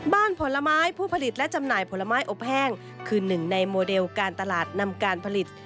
ผลไม้ผู้ผลิตและจำหน่ายผลไม้อบแห้งคือหนึ่งในโมเดลการตลาดนำการผลิต